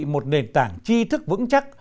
một nền tảng chi thức vững chắc